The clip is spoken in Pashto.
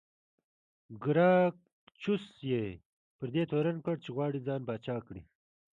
ګراکچوس یې پر دې تورن کړ چې غواړي ځان پاچا کړي